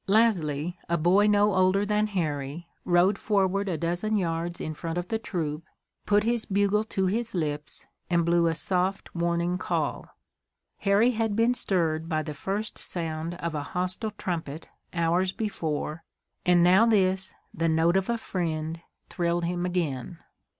Lasley, a boy no older than Harry, rode forward a dozen yards in front of the troop, put his bugle to his lips and blew a soft, warning call. Harry had been stirred by the first sound of a hostile trumpet hours before, and now this, the note of a friend, thrilled him again.